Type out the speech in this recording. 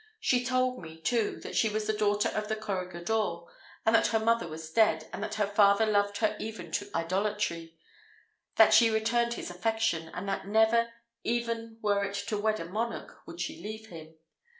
She told me, too, that she was the daughter of the corregidor; that her mother was dead, and that her father loved her even to idolatry; that she returned his affection; and that never, even were it to wed a monarch, would she leave him.